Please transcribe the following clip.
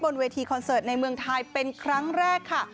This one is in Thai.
เวทีคอนเสิร์ตในเมืองไทยเป็นครั้งแรกค่ะ